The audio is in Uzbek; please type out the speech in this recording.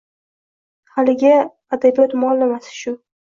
Haligi adabiyot muallimasi shu.